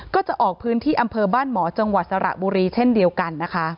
ก็จะออกพื้นที่อำเภอบ้านหมอจังหวัดสระบุรีเช่นเดียวกันนะคะ